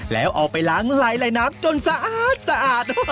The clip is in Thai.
แล้วเอาไปล้างไหลน้ำจนสะอาด